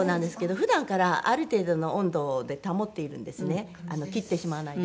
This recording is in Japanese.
普段からある程度の温度で保っているんですね切ってしまわないで。